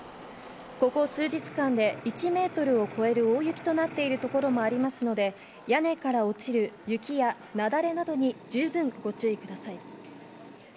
ここ数日間で１メートルを超える大雪となっているところもありますので、屋根から落ちる雪や雪崩などに十分ご注意ください。